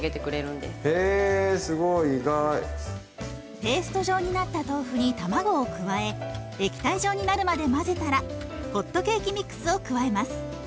ペースト状になった豆腐に卵を加え液体状になるまで混ぜたらホットケーキミックスを加えます。